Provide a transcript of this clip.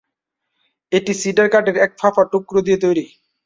এটি সিডার কাঠের এক ফাঁপা টুকরো দিয়ে তৈরি।